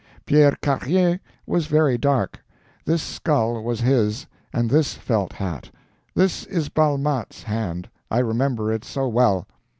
Pierre Carrier was very dark; this skull was his, and this felt hat. This is Balmat's hand, I remember it so well!"